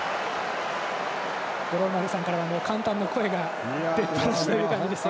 五郎丸さんからは感嘆の声が出っ放しですが。